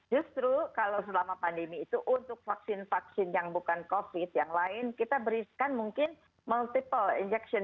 justru kalau selama pandemi itu untuk vaksin vaksin yang bukan covid yang lain kita berikan mungkin multiple injection